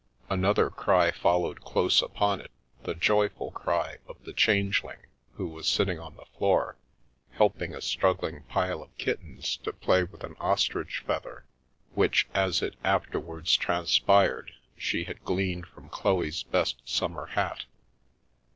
Another cry followed close upon it— the joy ful cry of the Changeling, who was sitting on the floor, helping a struggling pile of kittens to play with an ostrich feather, which, as it afterwards transpired, she had gleaned from Chloe's best summer hat.